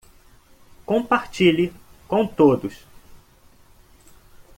Compartilhe com todos